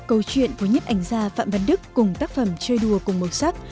anh sắp đặt